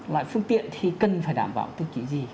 loại phương tiện thì cần phải đảm bảo tiêu chí gì